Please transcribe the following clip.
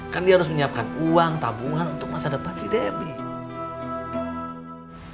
kan dia harus menyiapkan uang tabungan untuk masa depan si debbie